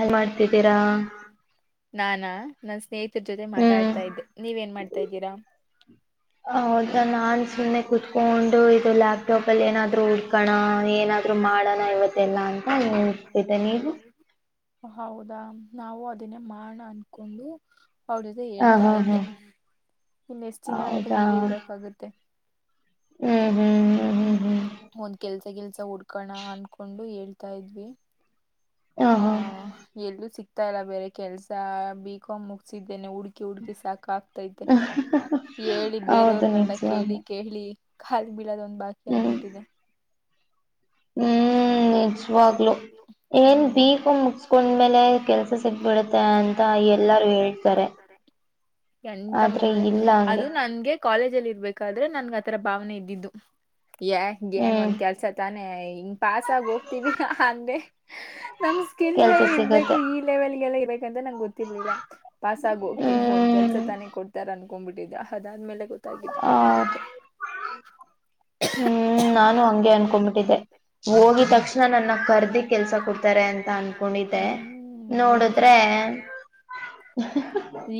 ಏನ್ ಮಾಡ್ತಿದ್ದೀರಾ. ನಾನಾ ನನ್ ಸ್ನೇಹಿತರ ಜೊತೆ ಹ್ಮ್ ಮಾತಾಡ್ತಾ ಇದ್ದೆ ನೀವ ನ್ ಮಾಡ್ತಾ ಇದ್ದೀರಾ. ಹೌದಾ ನಾನ್ ಸುಮ್ಮ್ನೆ ಕುೂತ್ಕೊಂಡು ಇದು ಲ್ಯಾಪ್ಟಾಪ್ ಅಲ್ಲಿ ಏನಾದ್ರು ಹುಡ್ಕೋಣ. ಏನಾದ್ರು ಮಾಡೋಣ ಇವತ್ತಲ್ಲಾ ಅಂತ ನನ್ತಿದ್ದೆ ನೀವು. ಹೌದಾ ನಾವು ಅದನ್ನೇ ಮಾಡಣ ಅನ್ಕೊಂಡು. ಅವ್ರ ಜೊತೆ ಹಾ ಹೇಳ್ತಾ ಹಾ ಹಾ ಇದ್ದೆ ಇಲ್ಲ ಎಷ್ಟ ದಿನ ಅಂತ ಹೌದಾ ಹೀಗೆ ಇರಕ್ ಆಗುತ್ತೆ. ಹ್ಮ್ ಒಂದ್ ಕೆಲ್ಸ ಕೆಲ್ಸ ಹುಡ್ಕೋಣ ಅನ್ಕೊಂಡು ಹೇಳ್ತ. ತಾಯದವಿ. [unintelligible] ಹ ಹ್ಮ್ ಹಾ ಎಲ್ಲೂ ಸಿಕ್ತಾ ಇಲ್ಲ ಬೇರೆ ಕೆಲ್ಸ ಬಿಕಾಂ ಮುಗಸಿದ. ಇದೇನೆ ಹುಡ್ಕಿ ಹುಡ್ಕಿ ಸಾಕ ಆಗ್ತಾೈತೆ ಹೇಳಿ ಹೌದು ಬೇರೆಯವ್ರನೆಲ್ಲ ನಿಜವಾಗ್ಲೂ ಕೇಳಿ ಕೇಳಿ. ಕಲ್ ಬಿಳದೊಂದ್ ಬಾಕಿ ಹ್ಮ್ ಆಗ್ಬಿಟ್ಟಿದೆ. ಹ್ಮ್ ನಿಜವಾಗ್ಲ. ಏನ್ ಹ್ಮ್ ಬಿಕಾಂ ಮುಗಸ್ಕೊಂಡ್ಮೇಲೆ ಕೆಲ್ಸ ಸಿಗ್ಬಿಡತ್ತೆ ಅಂತ ಎಲ್ಲಾರು ಹೇಳ್ತಾರೆ. ಎಂತ ಆದ್ರೆ ಮುಗ ಇಲ್ಲ ಅದು ಹಂಗೆ ನನ್ಗೆ ಕಾಲೇಜು ಅಲ್ಲಿ ಇರ್ಬೇಕಾದ್ರೆ ನನಗೆ ಆತರ ಭಾವನೆ ಇದ್ದಿದ್ದು ಯ ಏನ್ ಹ್ಮ್ ಒಂದ್ ಕೆಲ್ಸ ತಾನೆ. ಹೇ ಹಿಂಗ್ ಪಾಸ್ ಆಗಿ ಹೋಗ್ತಿವಿ ಅಂದ್ರೆ ನಮ್ ಸ್ಕಿಲ್ಸೆ ಕೆಲ್ಸ ಇರ್ಬೇಕು ಸಿಗತ್ತೆ ಈ ಲೆವೆಲ್ಗೆಲ್ಲ ಇರ್ಬೇಕ್ ಅಂತ ನಂಗ ಗೊತ್ತಿರ್ಲಿಲ್ಲ. ಪಾಸಾಗಿ ಹೋಗ್ತೀನಿ ಒಂದ್ ಕೆಲ್ಸ ಹ್ಮ್ ತಾನೇ ಕೊಡ್ತಾರೆ ಅನ್ಕೊಂಡ್ಬಿಟ್ಟಿದ್ದೆ ಅದಾದ್ಮೇಲೆ ಗೊತ್. ಹೌದು ಹ್ಮ್ ನಾನು ಹಂಗೆ ಅನ್ಕೊಮ್ಬಿಟ್ಟಿದ್ದೆ. ಹೋಗಿದ್ ತಕ್ಷಣ ನನ್ನ ಕರ್ದಿ ಕೆಲ್ಸ ಕೊಡ್ತಾರೆ ಅಂತ ಅನ್ಕೊಂಡಿದ್ದೆ ಹ್ಮ್ ನಿಜ ನೋಡಿದ್ರೆ. ಹ.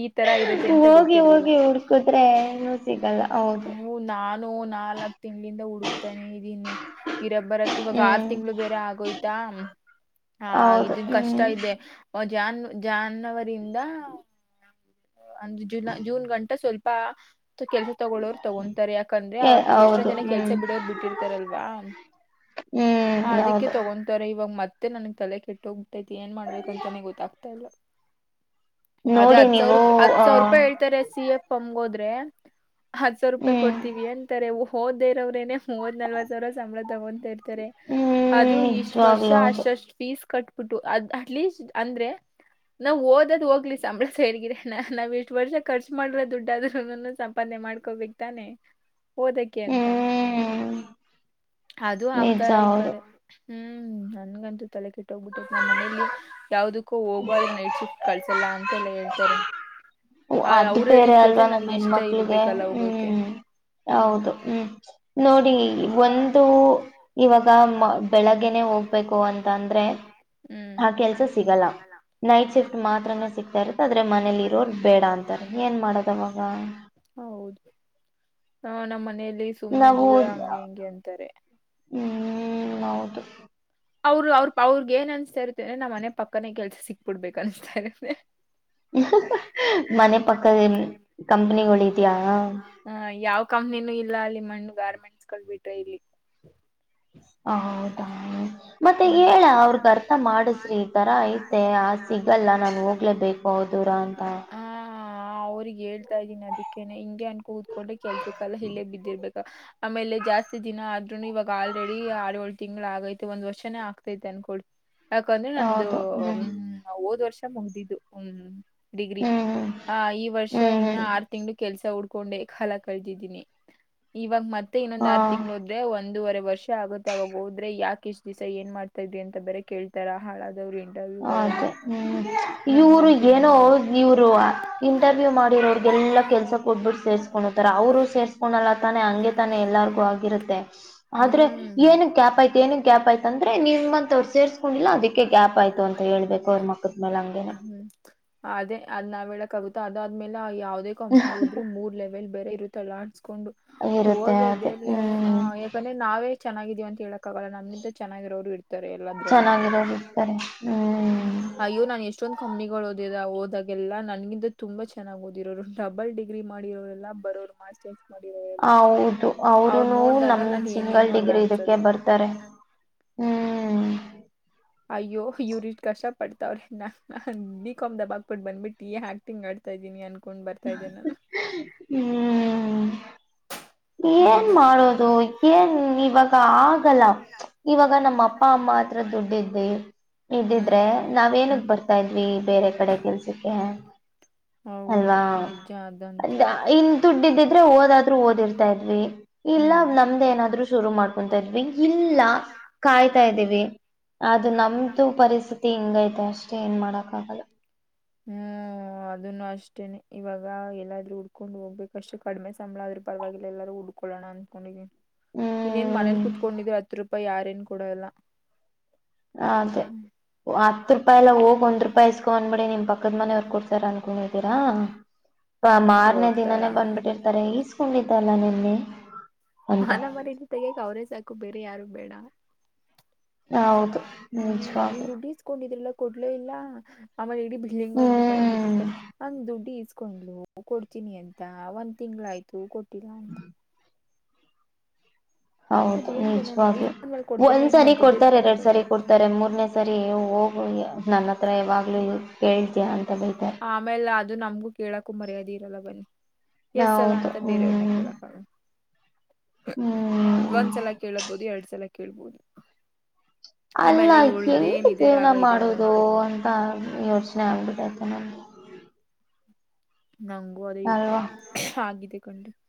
ಈ ತರ ಇರುತ್ತೆ ಅಂತ ಹೋಗಿ ಗೊತ್ತಿರ್ಲಿಲ್ಲ ಹೋಗಿ ಹುಡ್ಕುದ್ರೆ ಏನು ಸಿಗಲ್ಲ ಹೌದು. [inaudible] ಹ್ಮ ನಾನು ನಾಲ್ಕ್ ತಿಂಗಳಿಂದ ಹುಡುಕ್ತಾನೆ ಇದ್ದೀನಿ. ಇರಬ್ಬರ ಇವಾಗ ಆರು ಹ್ಮ್ ತಿಂಗ್ಗಳು ಬೇರೆ ಆಗೋಯ್ತಾ. ಹಾ ಹೌದು ಇದು ಕಷ್ಟ ಹ್ಮ್ ಇದೆ. ಜಾನ್ ಜಾನವರಿಯಿಂದ ಅಂದ್ರೆ ಜುಲೈ ಜೂನ್ ಗಂಟಾ ಸ್ವಲ್ಪ. ಸ್ವಲ್ಪ ಕೆಲಸ ತಗೊಳೋರು ತಗೊಂತಾರೆ ಯಾಕಂದ್ರೆ ಆ ಎಷ್ಟೊ ಹೌದು ಜನ ಕೆಲ್ಸ ಹ್ಮ್ ಬಿಡೋರ್ ಬಿಟ್ಟಿರ್ತಾರಲ್ವಾ. ಹ್ಮ್ ಅದಿಕ್ಕೆ ಹೌದು ತೊಗಂತಾರೆ ಇವಾಗ ಮತ್ತ ಮತ್ತೆ ನನಗ ತಲೆ ಕೆಟ್ಟ್ ಹೋಗ್ಬಿಟ್ಟಯ್ತೇತಿ ಏನ್ ಮಾಡ್ಬೇಕ ಅಂತಾನೇ ಗೊತ್ತಾಗ್ತಾ ಇಲ್ಲ. ಅದೇ ನೋಡಿ ಹತ್ ಸಾವಿರ ನೀವು ರೂಪ ರೂಪಾಯಿ ಹತ್ ಆ ಸಾವಿರ ರೂಪಾಯಿ ಹೇಳ್ತಾರೆ ಸಿ ಎಫ್ ಎಂಗೋದ್ರೆ. ಹತ್ಸಾವಿರ ರೂಪಾಯಿ ಹ್ಮ್ ಕೊಡ್ತೀವಿ ಅಂತಾರೆ ಓದ್ದೇ ಇರೋರೇನೇ ಮೂವತ್ ನಲ್ವತ್ ಸಾವಿರ ಸಂಬಳ ತಗೊಂತ ಇರ್ತಾರೆ ಹ್ಮ್ ಅದು ಇಷ್ಟ ವರ್ಷ ನಿಜವಾಗ್ಲೂ ಹೌದು ಅಷ್ಟಷ್ಟು ಫೀಸ್ ಕಟ್ಟ ಕಟ್ಬಿಟ್ಟು ಅದ ಅಟ್ಲೀಸ್ಟ್ ಅಂದ್ರೆ ನಾವ್ ಓದದ್ ಹೋಗ್ಲಿ ಸಂಬಳ ಸೈಡ್ಗಿಡನಾ ನಾವ್ ಇಷ್ಟ್ ವರ್ಷ ಖರ್ಚು ಮಾಡಿರೋ ದುಡ್ಡಾದ್ರುನು ಸಂಪಾದನೆ. ಮಾಡ್ಕೋಬೇಕ್ ತಾನೇ. ಓದಕ್ಕೆ ಅಂತ ಹ್ಮ್ ಅದು ನಿಜ ಆಗ್ತಾಯಿಲ್ಲಾ ಈ ಹೌದು ಕಡೆ. ಹ್ಮ್ ನನ್ಗಂತೂ ತಲೆ ಕೆಟ್ಟ ಹೋಗ್ಬಿಟ್ಟೈತೇ ನಮ್ಮ ಮನೇಲಿ ಯಾವುದಕ್ಕೋ ಹೋಗವಾಗ ನೈಟ್ ಶಿಫ್ಟ್ ಕಳ್ಸ ಅಲ್ಲಾ ಅಂತ ಎಲ್ಲ ಹೇಳ್ತಾರೆ. ಆ ಅದ ಅವ್ರು ಬೇರೆ ಹೇಳಿದ್ ಅಲ್ವಾ ಕೇಳ್ದೆ ನಮ್ಮ್ ನನ್ಗ್ ಇಷ್ಟ ಹೆಣ್ಮಕ್ಳಿಗೆ ಇರ್ಬೇಕಲ್ಲ ಹೋಗೋಕೆ ಹ್ಮ್. ಹೌದು ಹ್ಮ್ ನೋಡಿ ಒಂದು ಇವಾಗ ಬೆಳಗ್ಗೆನೇ ಹೋಗ್. ಹೋಗ್ಬೇಕು ಅಂತ ಅಂದ್ರೆ ಹ್ಮ್ ಆ ಕೆಲ್ಸ ಸಿಗಲ್ಲ ನೈಟ್ ಶಿಫ್ಟ್ ಮಾತ್ರನೇ ಸಿಕ್ತಾ ಇರುತ್ತೇ ಅದ ಅಂದ್ರೆ ಮನೇಲಿ ಇರೋರು ಬೇಡ ಅಂತಾರೆ ಏನ್ ಮಾಡದವಾಗ ಹಾ ನಮ್ಮ ಮನೆಲ್ಲಿ ನಾವು ಹ್ಮ್ ಹೌದು. ಅವ್ರರು ಅವ್ರ ಅವ್ರಗ್ ಏನ್ ಅನ್ಸ್ತಾ ಇರುತ್ತೆಂದ್ರೆ ನಮ್ಮ ಮನೆ ಪಕ್ಕಾನೆ ಕೆಲ್ಸ ಸಿಕ್ಬಿಡ್ಬೇಕು ಅನ್ಸ್ತಾ ಇರುತ್ತೆ. ಮನೆ ಪಕ್ಕ ಕಂಪನಿಗಳು ಇದಿಯಾ. ಹ ಯಾವ್ ಕಂಪ್ನಿನೂ ಇಲ್ಲ ಅಲ್ಲಿ ಮಣ್ಣು ಗಾರ್ಮೆಂಟ್ಸ್ಗಳು ಬಿಟ್ರೆ ಇಲ್ಲಿ. ಹೌದಾ ಮತ್ತೆ ಹೇಳ ಅವ್ರಗ್ ಅರ್ಥ ಮಾಡಿಸ್ರಿ ಈ ತರ ಐತೆ ಆ ಸಿಗಲ್ಲ ನಾನು ಹೋಗ್ಲೇಬೇಕು ಹೌದು. ದೂರ ಅಂತ. ಹ ಅವ್ರಿಗ ಹೇಳ್ತಾ ಇದ್ದೀನಿ ಅದಕ್ಕೇನೆ ಹಿಂಗೆ ಅನ್ಕೊ ಕೂತ್ಕೊಂಡ್ರೆ ಕೆಲ್ಸಕೆಲ್ಲ ಇಲ್ಲೇ ಬಿದ್ದಿರ್ಬೇಕು. ಆಮೇಲೆ ಜಾಸ್ತಿ ದಿನ ಆದ್ರೂನು ಇವಾಗ ಆಲ್ರೆಡಿ ಆರಏಳು ತಿಂಗಳು ಆಗೈತೆ ಒಂದ್ ವರ್ಷ. ನೇ ಆಗ್ತೈತೆ ಅನ್ಕೊಳಿ ಯಾಕಂದ್ರೆ ನಂದು ಹೌದು ಹ್ಮ್ ಹೋದ್ ವರ್ಷ. ಮುಗಿದ್ದು ಹ್ಮ ಡಿಗ್ರಿ ಹ್ಮ್ ಆ ಈ ವರ್ಷ ಹ್ಮ್ ಇನ್ನ ಹ್ಮ್ ಆರು ತಿಂಗಳು ಕೆಲ್ಸ ಹುಡ್ಕ್ ಕೊಂಡೆ ಕಾಲ ಕಳದಿದ್ದೀನಿ ಇವಾಗ ಮತ್ತೆ ಇನ್ನೊಂದ್ ಹಾ ಆರ್ ತಿಂಗಳ ಹೋದ್ರೆ ಒಂದೂವರೆ ವರ್ಷ ಆಗುತ್ತೆ ಅವಾಗ ಹೋದ್ರೆ ಯಾಕ್ ಇಷ್ಟು ದಿವಸ ಏನ್ ಮಾಡ್ತಾ ಇದ್ರಿ ಅಂತ ಬೇರೆ ಕೇಳ್ತಾರಾ ಹಾಳದ ಅದೆ ಹ್ಮ್ ಇವರು ನಂಗಂತೂ ಏನ್ ಏನೋ ಹೇಳೋದು ಇವರು ಇಂಟರವಿವ ಮಾಡಿರೋರಗೆ ಎಲ್ಲಾ ಕೆಲಸ ಕೊಟ್ಟಬಿಟ್ಟು ಸೇರಿಸ್ಕೊಣ್ಣೋತರ ಅವರು ಸೇರಸ ಸೇರ್ಕೊಂಣ್ಣಲ್ಲಾ ತಾನೆ ಹಂಗೆ ತಾನೆ ಎಲ್ಲಾರ್ಗು ಆಗಿರುತ್ತೆ ಆದ್ರೆ ಹ್ಮ್ ಏನ್ಕ್ ಗ್ಯಾಪ್ ಆಯ್ತು ಏನ್ಕ್ ಗ್ಯಾಪ್ ಆಯ್ತು. ಅಂದ್ರೆ ನಿಮ್ಮಂತ ಅವ್ರರು ಸೇರ್ಸ್ಕೊಂಡಿಲ್ಲ ಅದಕ್ಕೆ ಗ್ಯಾಪ್ ಆಯ್ತು ಅಂತ ಹೇಳ್ಬೇಕು ಅವ್ರ ಮಕ್ಕದ ಮೇಲೆ ಹಂಗೇನೇ. ಹ್ಮ್ ಅದೇ ಅದ್ ನಾವ್ ಹೇಳಕ್ ಆಗುತ್ತ ಅದಾದ್ಮೇಲೆ ಆ ಯಾವುದೇ ಕಂಪ್ನಿಗೆ ಹೋದ್ರು ಮೂರ್ ಲೆವೆಲ್ ಬೇರೆ ಇರುತ್ತಲ್ಲ. ಅನ್ನಕೊಂಡು ಇರುತ್ತೆ ಅದೇ ಹೋಗೋದೆಲ್ಲಿ ಹ ಹ್ಮ್ ಯಾಕಂದ್ರೆ ನಾವೇ ಚೆನ್ನಾಗಿದೀವಿ ಅಂತ ಹೇಳಕ್ಕಾಗಲ್ಲ ನಮಗಿಂತ. ಚನ್ನಾಗಿರೋರು ಚೆನ್ನಾಗಿರೋರು ಇರ್ತಾರೆ ಹ್ಮ್ ಅಯ್ಯೋ ನಾನ್ ಎಷ್ಟೊಂದ್ ಕಂಪ್ನಿಗಳು ಓದಿದ ಹೋದಾಗಲ್ಲಾ ನನ್ಗಿಂತ ತುಂಬಾ ಚೆನ್ನಾಗ್ ಓದಿರೋರು ಡಬ್ ಡಬಲ್ ಡಿಗ್ರಿ ಮಾಡಿರೋರೆಲ್ಲ ಬರೋರು ಮಾಸ್ಟರ್ಸ್ ಮಾಡಿರೋರೆಲ್ಲ ಹೌದು ಅವ್ರ ಅವರುನೊ ನೋಡ್ದಾಗ ನಮ ನಾನ್ ಸಿಂಗಲ್ ಏನೇನು ಅಲ್ಲ ಡಿಗ್ರಿ ಇದಕ್ಕೆ ಅನ್ಸೋದು ಬರ್ತಾರೆ ಹ್ಮ್ ಅಯ್ಯೋ ಇವ್ರು ಇಷ್ಟು ಕಷ್ಟ ಪಡ್ತಾವ್ರೆ ನಾನ ಬಿ ಕಾಮ್ ದಬಾಕ ಬಿಟ್ಟ ಬಂದಬಟ್ಟ ಏನ್ ಆಕ್ಟಿಂಗ್ ಆಡ್ತಾ ಇದೀನಿ ಅನ್ ಹ್ಮ ಏನ್ ಹಂಗೆ ಮಾಡೋದು ಏನ್ ಇವಾಗ ಆಗಲ್ಲ ಇವಾಗ ನಮ್ಮ ಅಪ್ಪ ಅಮ್ಮ ಮಾತ್ರ ದುಡಿದ್ದಿ ಹ್ಮ್ ಇದಿದ್ರೆ ನಾವ್ ಹ್ಮ್ ಏನಕ್ ಬರ್ತಾ ಇದ್ವಿ ಬೇರೆ ಕಡೆ ಕೆಲ್ಸಕ್ಕೆ ಹೌದು ಅಲ್ವಾ ನಿಜ ಅದಂತು ಅದಾ ಇಲ್ಲ ದುಡ್ಡ ಇದಿದ್ರೆ ಓದಾದ್ರೂ ಓದ [unintelligible] ತಡಿರಿ ಇಲ್ಲ ಹ್ಮ್ ನಮ್ದ್ ಏನಾದ್ರು ಶುರು ಮಾಡಕೊತಾ ಇದ್ವಿ ಇಲ್ಲಾ ಕಾಯ್ತಾ ಇದೀವಿ. [unintelligible] ಅದು ನಮ್ದು ಪರಿಸ್ಥಿತಿ ಹಿಂಗ ಐತೆ ಅಷ್ಟೇ ಏನ್ ಮಾಡಕ್ ಆಗಲ್ಲ. [unintelligible] ಹೂ [unintelligible] ಹೂ ಅದನ್ನು ಅಷ್ಟೇನೆ ಇವಾಗ ಎಲ್ಲಾದ್ರೂ ಉಡ್ಕೊಂಡು ಹೋಗಬೇಕು ಅಷ್ಟೇ ಕಡಿಮೆ ಸಂಬಳ ಆದ್ರೂ ಪರವಾಗಿಲ್ಲ ಎಲ್ಲೂರು [unintelligible] ಬೀಡೋನಾ ಅನ್ಕೊಂಡೀದಿನೀ [unintelligible] ಇನ್ನೇನ್ ಮನೇಲಿ ಹ್ಮ್ ಕುೂತ್ಕೊಂಡಿದ್ರು ಹತ್ತು ರೂಪಾಯಿ ಯಾರೇನ್ ಕೊಡಲ್ಲ? [unintelligible] ಅದೇ ಹತ್ತ ರೂಪಾಯಿ ಎಲ್ಲ ಹೋಗ್ ಒಂದ್ ರೂಪಾಯಿ ಇಸಕೋ ಅನಬೇಡಿ ನಿಮ್ಮ ಪಕ್ಕ [unintelligible] ಪಕ್ಕದ ಮನೆಯವರ್ ಕೊಡ್ತಾರ ಅನ್ಕೊಂಡಿದ್ದೀರಾ ಹ್ಮ್ ಮಾರನೇ ಕೊಡ್ತಾರ ದಿನನೇ ಬಂದ್ಬಿಟ್ಟಿರ್ತಾರೆ ಇಸ್ [unintelligible] ಸುಮ್ನೆ ಇದ್ದಲಾ ನಿನ್ನೆ. [unintelligible] ಮಾನ ಮರ್ಯಾದೆ ತೆಗೆಯೋಕೆ ಅವರೇ ಸಾಕು ಬೇರೆ ಯಾರು ಬೇಡ? [unintelligible] ಹೌದು ಹೌದ ಹೂ ನಿನ್ ನಿಜವಾಗ್ಲೂ ದುಡ್ಡಿಸಕೊಂಡಿದ್ರಲ್ಲ ಕೊಡಲೇ ಇಲ್ಲ ಆಮೇಲೆ [unintelligible] ಈ ಬಿಲ್ಡಿಂಗ್ ಅವ್ರಗೆ ಹ್ಮ್ ಹೇಳ್ಬಟ್ಟಿರ್ತಾರಿ ಅವನ ದುಡ್ಡ ಇಸ್ [unintelligible] ಕೊಂಡಕೋನಲ್ಲೂ ಕೊಡ್ತೀನಿ ಅಂತ ಒಂದ್ ತಿಂಗಳ ಆಯ್ತು ಕೊಟ್ಟಿಲ್ಲ ಅಂತ. [unintelligible] ಹೌದು ಅದೇನ್ ಜನಾನೋ ನಿಜವಾಗಲಾಲೂ ಇಸ್ಕೊಂಡ್ಮೇಲೆ ಕೊಡ್ದೇನೆ ಒಂದ್ ಏನ್ ಸರಿ ಅವ್ರ್ ದುಡ್ಡು ಕೊಡ್ತಾರೆ ಎತ್ಕೊಂಡ್ ಎರಡ್ ಓಡೋಗ್ ಸರಿ ಬಿಡ್ತಾ ಕೊಡ್ತಾರೆ ಇಲ್ವಾ ಮೂರ್ನೇ ಸಾರಿ ಹೋ [unintelligible] ಕೇಳ್ತೀಯ ಅಂತ ಬೈತಾರೆ [inaudible] ಆಮೇಲೆ ಅದು ನಮಗೂ ಕೇಳಕೂ ಮರ್ಯಾದಿ [unintelligible] ಸಿಗಲ್ಲ ಬಾಯ್ ಎಸ್ ಅಲ್ಲ ಹೌದು ಅಂತ ಬೇರೆಯವ್ರನ್ನ ಹ್ಮ್ ಕೇಳಕ್ ಆಗ [unintelligible] ಹ್ಮ್ ಒಂದ್ಸಲ ಕೇಳಬಹುದು ಎರಡ್ ಸಲ ಕೇಳ್ಬೋದು. [unintelligible] ಅಲ್ಲ ಆಮೇಲೆ ಹೆಂಗ ಇವಳ್ದೇನ್ ಇದೇ ಜೀವನ ರಾಗ ಇದೆ ಹಾಡು ಮಾಡೋದು ಅಂತಾರೆ ಆಮೇಲೆ ಅಂತ ಯೋಚನೆ ಆಗ್ಬಿಟ್ಟೈತೆ. [inaudible] ನಂದು [inaudible] ನಂಗು ಅದೇ ಯೋಚನೆ ಆಗಿದೆ ಗಂಡು. [inaudible]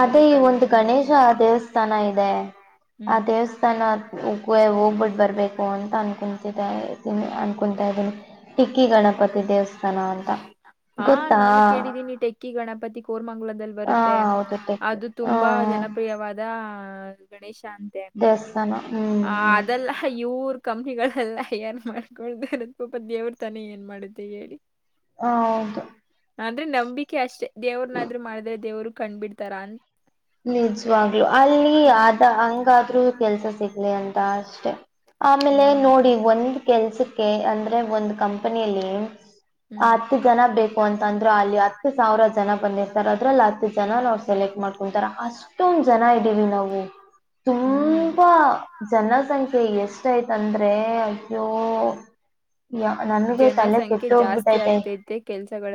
ಅದೇ ಈ ಒಂದು ಗಣೇಶ ದೇವಸ್ಥಾನ ಇದೆ. ಇಲ್ಲ [inaudible] ಆ ಹ್ಮ್ ದೇವಸ್ಥಾನ ಹೋಗವೆ ಹೋಗ್ಬಿಟ್ಟ ಬರ್ಬೇಕು ಅಂತ ಅನ್ಕೊಂತಿದ್ದೆ ಏ ಎದೀನಿ ಅನ್ಕೊಂತ [inaudible] ಅದನು ಟಿಕ್ಕಿ ಗಣಪತಿ ದೇವಸ್ಥಾನ ಅಂತಾ. [inaudible] ಹಾ ನಾನು ಕೇಳಿದ್ದೀನಿ ಟೆಕ್ಕಿ ಗಣಪತಿ ಕೋರ್ಮಂಗ್ಲದಲ್ಲಿ ಹಾ ಬರುತ್ತೆ. [inaudible] ಹೌದು ಟೆಕ್ಕಿ ಅದು ಹ ತುಂಬಾ ಜನಪ್ರಿಯವಾದ ಗಣೇಶ. [inaudible] ಕಂತೆ ದೇವಸ್ಥಾನ ಹ್ಮ್ ಹ್ಮ್ ಆದಲ್ಲ ಇವರ್ ಕಂಪ್ನಿಗಳ [inaudible] ಅಲ್ಲಾ ಏನ್ ಮಾಡ್ಕೊಳ್ದರ ಪಾಪ ದೇವ್ರ ತಾನೇ ಏನ್ ಮಾಡುತ್ತೆ ಹೇಳಿ. [inaudible] ಹೌದು ಹ ಅಂದ್ರೆ ನಂಬಿಕೆ ಅಷ್ಟೇ ದೇವ್ರನಾದ್ರು ಮಾಡಿದ್ರೆ ದೇವರು ಕಂಡ್ಬಿಡ್ತಾರ ಅಂತ [inaudible] ನಿಜವಾಗ್ಲು ಅಲ್ಲಿ ಹ್ಮ್ ಆದ ಹಂಗಾದ್ರೂ ಕೆಲಸ ಸಿಗ್ಲಿ ಅಂತ ಅಷ್ಟೆ. ಆಮೇಲೆ ಹ್ಮ್ ನೋಡಿ ಒಂದ್ ಕೆಲಸಕ್ಕೆ ಅಂದ್ರೆ ಒಂದ್ ಕಂಪನಿಯಲ್ಲಿ, [inaudible] ಹ್ಮ್ ಆತು? ಜನ ಬೇಕು ಅಂತ ಅಂದ್ರ ಅಲ್ಲಿ ಹತ್ತು ಸಾವಿರ ಜನ ಬಂದಿರ್ತಾರೆ ಅದ್ರಲ್ಲಿ ಹತ್ತು ಜನ ನಾವು ಸೆಲೆಕ್ಟ್ ಮಾಡಕ ಒಂತರಾ ಅಷ್ಟೊಂದ್ ಜನ ಇದ್ದೀವಿ ನಾವು. ಹ್ಮ್ ತುಂಬಾ ಜನಸಂಖ್ಯೆ ಎಷ್ಟಯ್ತಂದ್ರೆ ಅಯ್ಯೋ? ಯ ನನ್ಗೆ ತಲೆ ಕೆಟ್ಟ ಜನಸಂಖ್ಯೆ ಜಾಸ್ತಿ ಹೋಗ್ಬಿಟ್ಟೈತೆ ಆಗ್ತೈತೆ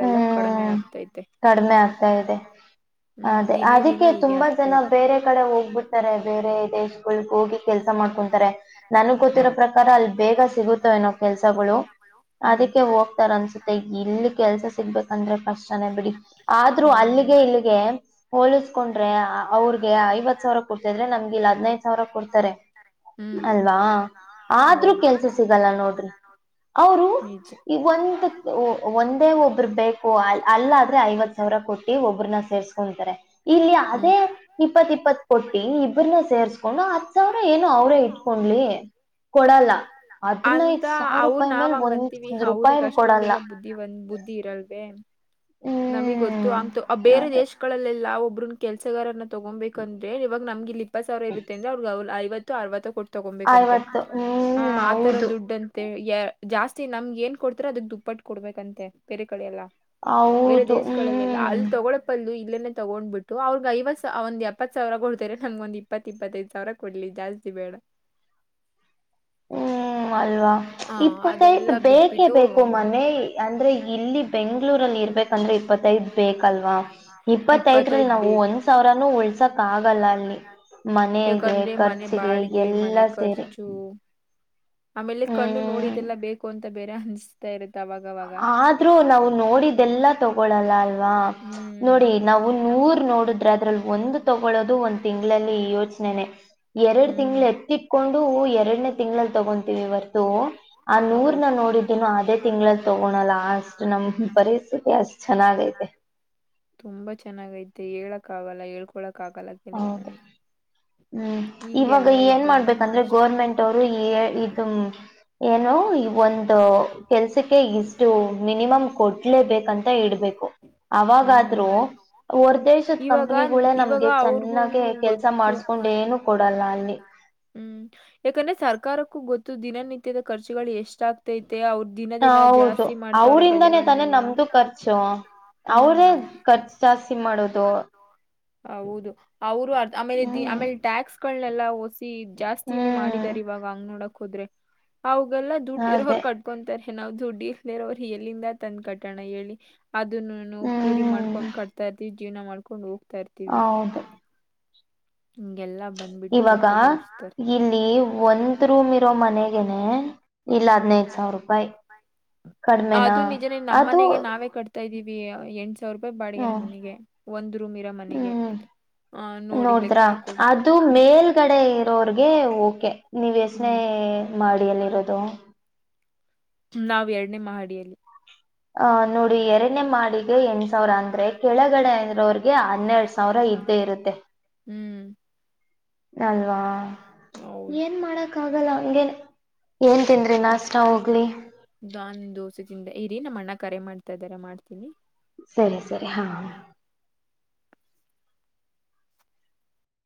ಹೂ ಕಡಿಮೆ ತರನೆ ಆಗ್ತಾ ಇದೆ. ಹೂ ದಿನೇ ದಿನೇ, [inaudible] ಕ್ಕೇ ತುಂಬಾ ಆಗ್ತಾ ಜನ ಇದೆ ಬೇರೆ ಕಡೆ ಹೋಗ್ಬಿಡ್ತಾರೆ ಬೇರೆ ದೇಶಗಳಿಗೆ ಹೋಗಿ ಕೆಲ್ಸ ಮಾಡ್ಕೊಂತಾರೆ ನನ್ಗ್ ಗೊತ್ತಿರೋ ಪ್ರಕಾರ ಅಲ್ಲಿ ಬೇಗ ಸಿಗುತ್ತೋ ಏನೋ ಕೆಲ್ಸಗಳು. ಹ್ಮ್ ಅದಕ್ಕೆ ಹೋಗ್ತಾರನ್ಸುತ್ತೆ ಇಲ್ಲಿ ಕೆಲ್ಸ ಸಿಗ್ಬೇಕಂದ್ರೆ ಕಸ್ಟನೇ ಬಿಡಿ ಆದ್ರೂ ಅಲ್ಲಿ- ಅಲ್ಲಿಗೆ ಹ್ಮ್ ಇಲ್ಲಿಗೆ ಹೋಲಿಸ್ಕೊಂಡ್ರೆ ಅವ್ರಿಗೆ ಐವತ್ ಸಾವಿರ ಕೊಡ್ತಿದ್ರೆ ಇದ್ರೆ ನಮ್ಗೆ ಇಲ್ಲ ಹದ್ನೈದು ಸಾವಿರ ಕೊಡ್ತಾರೆ. ಹ್ಮ್ ಅಲ್ವಾ ಆದ್ರೂ ಹೌದು ಕೆಲ್ಸ ಸಿಗಲ್ಲ ನೋಡ್ರಿ. ಅವರು ನಿಜ ಒಂದು ಒಂದೇ ಒಬರು ಬೇಕು ಅ ಅಲ್ಲ ಆದ್ರೆ ಐವತ್ ಸಾವಿರ. ಒಬ್ಬರ ಕೊಟ್ಟಿ ಒಬ್ಬ್ರನ್ನ ಸೇರ್ಸ್ಕೊಂತಾರೆ ಇಲ್ಲಿ ಹ್ಮ್ ಅದೇ ಇಪ್ಪತ್ ಇಪ್ಪತ್ತು ಕೊಟ್ಟಿ ಇಬ್ರನ್ನ ಸೇರ್ಸ್ಕೊಂಡ್ ಹತ್ ಸಾವಿರ ಏನು ಅವ್ರೇ ಇಟ್ಕೊಳ್ಳಿ. ಕೊಡಲ್ಲ ಹದ್ನೈದ್ ಅಂತ ಸಾವಿರ ಅವ್ರ ರೂಪಾಯಿ ನಾವ್ ಮೇಲೆ ಹಂಗಂತೀವಿ ಒಂದ್ ರೂಪಾಯ್ನೂ ಕೊಡಲ್ಲ. ಬುದ್ದಿ ಇರಲ್ವೇ ನಮಗ್ ಗೊತ್ತು ಹ್ಮ್ ಅಂತು ಆ ಬೇರೆ ಅದೇ ದೇಶಗಳಲ್ಲೆಲ್ಲ. ಬ್ರೊ ಕೆಲಸಗಾರನ ತಗೊಂಬೇಕುಂದ್ರೆ ಇವಾಗ ನಮ್ಗಿಲ್ಲಿ ಇಪ್ಪತ್ತು ಸಾವರ ಇರುತೇ ಅಂದ್ರ ಐವತ್ತು ಅರ್ವತ್ತು ಕೊಟ್ಟ್ ತಗೊಬೇಕಂತೆ ಐವತ್ತು ಆ ಹ್ಮ್ ಆತರ ಹೌದು ದುಡ್ಡಂತೆ ಯ ಜಾಸ್ತಿ ನಮ್ಗೆ ಏನ್ ಕೊಡ್ತರ ಅದಕ್ ದುಪ್ಪಟ್ಟ ಕೊಡ್ಬೇಕಂತೆ ಪ ಬೇರೆ ಕಡೆ ಎಲ್ಲ. ಬೇರೆ ಹೌದು ದೇಶ್ಗಳಲ್ಲೆಲ್ಲ ಅಲ್ಲಿ ಹ್ಮ್ ತಗೊಳಪ್ಪಲ್ಲೂ ಲ್ವೇನೆ ತಗೊಂಡ್ ಬಿಟ್ಟು ಅವ್ರಗ್ ಐವ ಒಂದ್ ಎಪ್ಪತ್ ಸಾವಿರ ಗಳ್ [unintelligible] ನಂಗೆ ಒಂದ್ ಇಪ್ಪತ್ತು ಇಪ್ಪತ್ತೈದು ಸಾವಿರ ಕೊಡ್ಲಿ ಜಾಸ್ತಿ ಬೇಡ. ಹ್ಮ ಅಲ್ವಾ ಹ ಇಪ್ಪತ್ತೈದು ಅದೆಲ್ಲಾ ಬೇಕೇ ಬಿಟ್ಬಿಟ್ಟು ಬೇಕು ಮನೆ ಅಂದ್ರೆ ಇಲ್ಲಿ ಬೆಂಗ್ಗಳೂರಲ್ಲಿ ಇರ್ಬೇಕಂದ್ರೆ ಇಪ್ಪತ್ತೈದ್ ಬೇಕಲ್ವಾ. ಇಪ್ಪತ್ತೈದ್ರಲ್ ಇಪ್ಪತ್ತೈದ್ ನಾವು ಬೇಕು ಒಂದ್ ಸಾವಿರಾನೂ ಉಳ್ಸಕ್ ಆಗಲ್ಲ ಅಲ್ಲಿ. ಮನೆಗೆ ಯಾಕಂದ್ರೆ ಮನೆ ಖರ್ಚಿಗೆ ಬಾಡ್ಗೆ ಮನೆ ಎಲ್ಲಾ ಸೇರಿ ಖರ್ಚು ಆಮೇಲೆ ಕಣ್ಣು ಹ್ಮ್ ನೋಡಿದೆಲ್ಲ ಬೇಕು ಅಂತ ಬೇರೆ ಅನ್ಸ್ತಾ ಇರುತ್ತೆ. ಅವಾಗವಾಗ ಆದ್ರೂ ನಾವು ನೋಡಿದೆಲ್ಲಾ ತಗೊಳಲ್ಲ ಅಲ್ವಾ ಹ್ಮ್ ನೋಡಿ ನಾವು ನೂರು ನೋಡಿದ್ರೆ ಅದ್ರಲ್ಲಿ ಒಂದು ತೊಗೊಳ್ಳೋದು ಒಂದ್ ತಿಂಗಳಲ್ಲಿ ಯೋಚನೆ ಎರಡು ಹ್ಮ್ ತಿಂಗಳು ಎತ್ತಿಟ್ಕೊಂಡು ಎರಡನೇ ತಿಂಗಳಲ್ಲಿ ತಗೊಂತೀವಿ ಹೊರ್ತು ಆ ಹೌದು ನೂರ್ನ ನೋಡಿದ್ದನು ಅದೇ ತಿಂಗಳಲ್ಲಿ ಪೂರ್ ಲಾಸ್ಟ್ ನಮ್ ಪರಿಸ್ಥಿತಿ ಅಷ್ಟ ಚೆನ್ನಾಗಿ ಆಯ್ತೆ ತುಂಬಾ ಚೆನ್ನಾಗೈತೆ ಹೇಳಕ್ಕ ಆಗಲ್ಲ ಹೇಳ್ಕೊಳಕ್ಕ ಆಗಲ್ಲ ಕೆಲವ ಹೌದು ನೊಂದು ಹ್ಮ್ ಇವಾಗ ಏನ್ ಮಾಡ್ಬೇಕಂದ್ರೆ ಕಷ್ಟ ಗೋರ್ಮೆಂಟ್ ಅವರು [unintelligible] ಇದು ಏನು ಒಂದು ಕೆಲ್ಸಕ್ಕೆ ಇಷ್ಟು ಮಿನಿಮಮ್ ಕೊಡ್ಲೇಬೇಕಂತ ಇಡ್ಬೇಕು ಹ್ಮ್ ಅವಾಗಾದ್ರೂ ಹೊರ್ ದೇಶದ ಇವಾಗ ಕಂಪನಿಗುಳೇ ಇವಾಗ ನಮ್ಗೆ ಚೆನ್ನಾಗೆ ಅವ್ರಿಗೂನು ಕೆಲ್ಸ ಗೊತ್ತು ಮಾಡಸ್ಕೊಂಡ ಏನು ಕೊಡಲ್ಲ ಅಲ್ಲಿ ಹ್ಮ್ ಯಾಕಂದ್ರೆ ಸರ್ಕಾರಕ್ಕೂ ಗೊತ್ತು ದಿನಿತ್ಯದ ಖಚುಗಳು ಎಷ್ಟಾಗ್ತೈ ಮತ್ತೆ ಅವ್ರ ದಿನ ದಿನ ಹೌದು ಜಾಸ್ತಿ ಮಾಡ್ತಾವ್ರೆ ಬೆಲೆಗಳನೆಲ್ಲ ಅವ್ರೇ ಖರ್ಚು ಜಾಸ್ತಿ ಮಾಡೋದು ಹೌದು ಅವರು ಆಮೇಲೆ ಹ್ಮ್ ಆಮೇಲೆ ಟ್ಯಾಕ್ಸ್ಗಳನೆಲ್ಲ [unintelligible] ಜಾಸ್ತಿನೇ ಹ್ಮ್ ಮಾಡಿದ್ದಾರೆ ಇವಾಗ ಹಂಗ್ ನೋಡಕ್ ಹೋದ್ರೆ ಅವೆಲ್ಲಾ ದುಡ್ಡು ಅದೇ ಇರೋರು ಕಟ್ಕೊಂತಾರೆ ನಾವು ದುಡ್ಡಿಲ್ದೆ ಇರೋರು ಎಲ್ಲಿಂದ ತಂದ ಕಟ್ಟಣ ಹೇಳಿ ಅದನ್ನು ಕೂಲಿ ಹ್ಮ್ ಮಾಡ್ಕೊಂಡ್ ಕಟ್ತಾ ಇರ್ತಿವಿ ಜೀವನ ಮಾಡ್ಕೊಂಡ್ ಹೋಗ್ತಾ ಇರ್ತೀವಿ ಹೌದು ಹಿಂಗೆಲ್ಲಾ ಬಂದ್ಬಿಟ್ಟು ಹೊಟ್ಟೆಗಳ್ಸ್ತಾರೆ ಒಂದು ರೂಮ್ ಇರೋ ಮನೆಗೆನೆ ಇಲ್ಲ ಹ್ಮ್ ಹದ್ನೈದ ಸಾವಿರ ರೂಪಾಯಿ ಕಡಿಮೆನಾ ಅದು [unintelligible] ಇದ್ದೀವಿ ಎಂಟ ಸಾವಿರ ರೂಪಾಯಿ ಬಾಡಿಗೆ ಹ್ಮ ನಮ್ ಮನೆಗೆ ಒಂದ್ ರೂಮ್ ಇರ ಮನೆಗೆ ಆ ನೋಡಿ ನೋಡಿದ್ರ ಲೆಕ್ಕ ಹಾಕೊಳ್ಳಿ ಅದು ಹ್ಮ್ ಮೇಲ್ಗಡೆ ರೊರ್ಗೆ ಓಕೆ ನೀವ ಎಷ್ಟ್ನೇ ಹ್ಮ್ ಮಹಡಿಯಲ್ಲಿರೋದು ನಾವ್ ಎರಡನೇ ಮಹಡಿಯಲ್ಲಿ ಆ ನೋಡಿ ಎರನೇ ಮಾಹಡಿಗೆ ಎಂಟ್ ಸಾವಿರ ಅಂದ್ರೆ ಕೆಳಗಡೆ ಇರೋವ್ರಗೆ ಹನ್ನೆರಡು ಸಾವಿರ ಸಾವಿರ ಇದ್ದೇ ಇರುತ್ತೆ ಹ್ಮ್ ಅಲ್ವಾ ಹೌದ್ ಏನ್ ಮಾಡಕ್ ಆಗಲ್ಲ ಹಂಗೇನೆ. ಏನ್ ತಿಂದ್ರಿ ಕಷ್ಟ ನಾಷ್ಟ ಹೋಗ್ಲಿ. ನಾನ್ [inaudible] ದೋಸೆ ಇರಿ ನಮ್ಮ ಅಣ್ಣ ಕರೆ ಮಾಡ್ತಾ ಇದ್ದಾರೆ ಮಾಡ್ತೀನಿ. ಸರಿ ಸರಿ ಹಾ